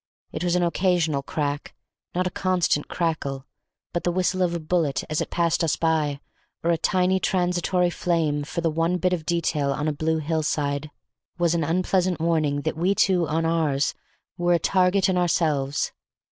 It was an occasional crack, not a constant crackle, but the whistle of a bullet as it passed us by, or a tiny transitory flame for the one bit of detail on a blue hill side, was an unpleasant warning that we two on ours were a target in ourselves.